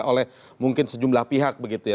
oleh mungkin sejumlah pihak begitu ya